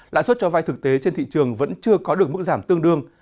lãi suất cho vai thực tế trên thị trường vẫn chưa có được mức giảm tương đương